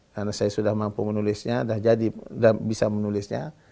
karena saya sudah mampu menulisnya sudah bisa menulisnya